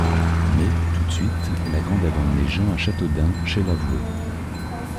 Mais, tout de suite, la Grande avait emmené Jean à Châteaudun, chez l’avoué.